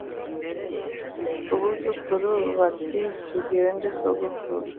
abuzukuru bati tugende sogokuru